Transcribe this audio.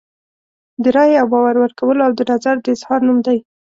د رایې او باور ورکولو او د نظر د اظهار نوم دی.